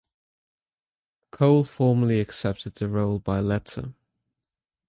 Cole formally accepted the role by letter.